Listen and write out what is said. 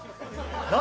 何？